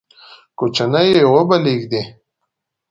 کوچنی یې وبلېږدی،